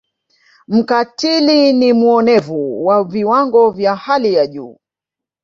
Mkatili na muonevu wa viwango vya hali ya juu